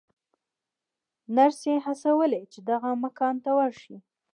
نرسې هڅولې چې دغه مکان ته ورشي.